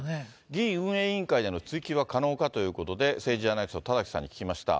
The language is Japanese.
議院運営委員会での追及は可能かということで、政治アナリスト、田崎さんに聞きました。